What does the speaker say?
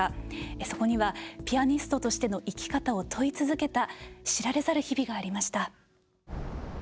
そこには、ピアニストとしての生き方を問い続けた知られざる日々がありました。